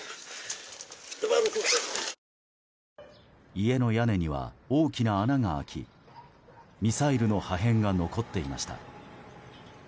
家の屋根には大きな穴が開きミサイルの破片が残っていました。